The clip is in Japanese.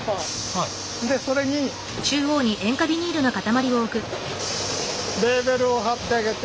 でそれにレーベルを貼ってあげて。